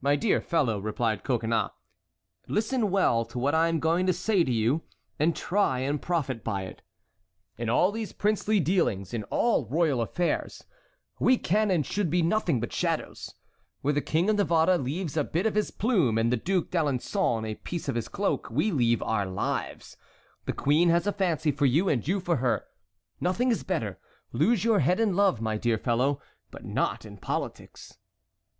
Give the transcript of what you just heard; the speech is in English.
"My dear fellow," replied Coconnas, "listen well to what I am going to say to you and try and profit by it. In all these princely dealings, in all royal affairs, we can and should be nothing but shadows. Where the King of Navarre leaves a bit of his plume and the Duc d'Alençon a piece of his cloak, we leave our lives. The queen has a fancy for you, and you for her. Nothing is better. Lose your head in love, my dear fellow, but not in politics."